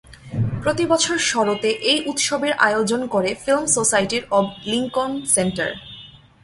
প্রতি বছর শরতে এই উৎসবের আয়োজন করে Film Society of Lincoln centre.